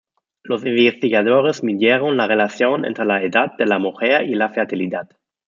Los investigadores midieron la relación entre la edad de la mujer y la fertilidad.